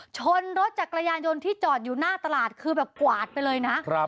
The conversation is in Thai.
ชนรถจักรยานยนต์ที่จอดอยู่หน้าตลาดคือแบบกวาดไปเลยนะ